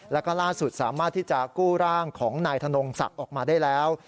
แล้วก็ล่าสุดสามารถที่จะกู้ร่างของนายธนงศักดิ์ออกมาได้แล้ว